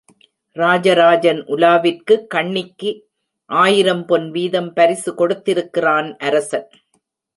ராஜராஜன் உலாவிற்கு கண்ணிக்கு ஆயிரம் பொன் வீதம் பரிசு கொடுத்திருக்கிறான் அரசன்.